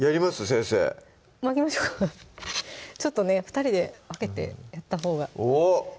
先生巻きましょうかちょっとね２人で分けてやったほうがおっ！